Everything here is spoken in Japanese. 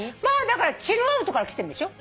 だから「チルアウト」からきてるんでしょ？